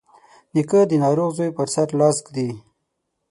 نیکه د ناروغ زوی پر سر لاس ږدي.